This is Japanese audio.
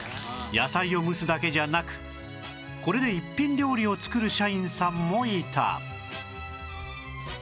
野菜を蒸すだけじゃなくこれで一品料理を作る社員さんもいた